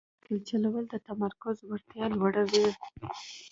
بایسکل چلول د تمرکز وړتیا لوړوي.